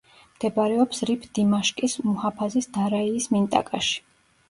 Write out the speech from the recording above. მდებარეობს რიფ-დიმაშკის მუჰაფაზის დარაიის მინტაკაში.